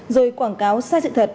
rồi quảng cáo sai sự thật